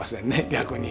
逆に。